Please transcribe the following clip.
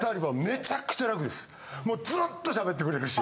もうずっと喋ってくれるし。